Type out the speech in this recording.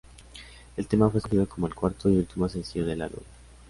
El tema fue escogido como el cuarto y último sencillo del álbum.